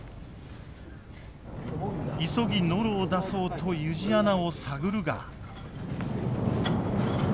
急ぎノロを出そうと湯路穴を探るが。